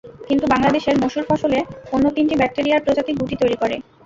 কিন্তু বাংলাদেশের মসুর ফসলে অন্য তিনটি ব্যাকটেরিয়ার প্রজাতি গুটি তৈরি করে।